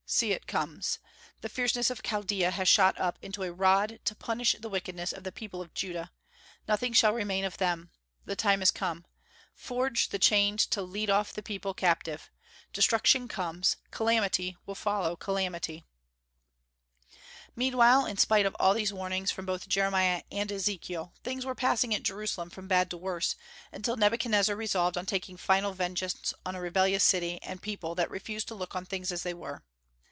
See, it comes! The fierceness of Chaldaea has shot up into a rod to punish the wickedness of the people of Judah. Nothing shall remain of them. The time is come! Forge the chains to lead off the people captive. Destruction comes; calamity will follow calamity!" Meanwhile, in spite of all these warnings from both Jeremiah and Ezekiel, things were passing at Jerusalem from bad to worse, until Nebuchadnezzar resolved on taking final vengeance on a rebellious city and people that refused to look on things as they were.